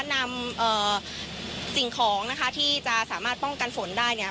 นำสิ่งของนะคะที่จะสามารถป้องกันฝนได้เนี่ย